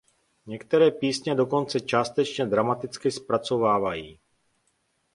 Některé písně dokonce částečně dramaticky zpracovávají.